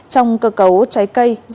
trong cơ cấu trái cây